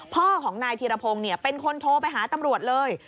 พ่อของนายธีรพงศ์เป็นคนโทรไปหาตำรวจเลย